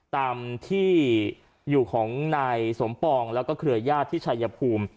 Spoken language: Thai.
ตามที่อยู่ของนายสมปองแล้วก็เครือญาติที่ชายภูมิ